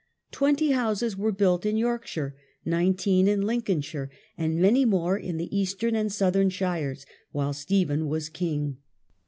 Twenty houses were built in Yorkshire, nineteen in Lincolnshire, and many more in the eastern and southern shires, while Stephen was king.